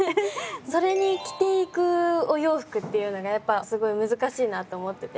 それに着ていくお洋服っていうのがやっぱすごい難しいなと思ってて。